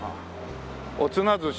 「おつな寿司」。